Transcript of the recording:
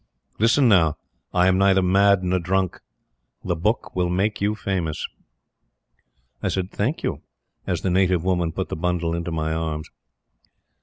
Listen now! I am neither mad nor drunk! That book will make you famous." I said, "thank you," as the native woman put the bundle into my arms.